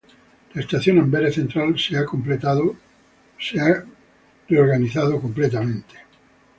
La estación Amberes-Central ha sido completamente reorganizada.